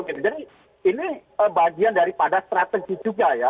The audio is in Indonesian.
jadi ini bagian daripada strategi juga ya